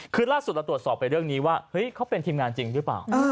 คือล่าสุดเราตรวจสอบไปเรื่องนี้ว่าเฮ้ยเขาเป็นทีมงานจริงหรือเปล่า